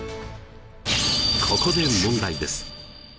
ここで問題です。